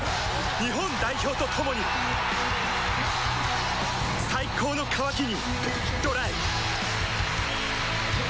日本代表と共に最高の渇きにＤＲＹ